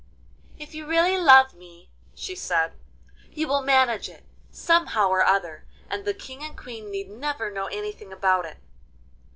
'If you really love me,' she said, 'you will manage it, somehow or other, and the King and Queen need never know anything about it.